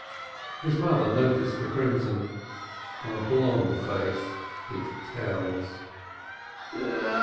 His mother noticed the crimson. On a blonde face it tells.